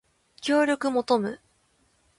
協力求む